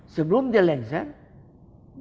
sebelum dia lebih started